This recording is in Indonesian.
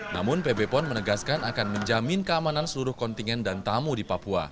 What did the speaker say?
namun pb pon menegaskan akan menjamin keamanan seluruh kontingen dan tamu di papua